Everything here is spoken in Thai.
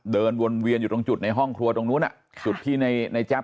เดินวนเวียนอยู่ตรงจุดในห้องครัวตรงนู้นจุดที่ในแจ๊บ